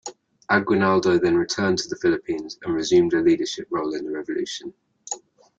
Aguinaldo then returned to the Philippines, and resumed a leadership role in the revolution.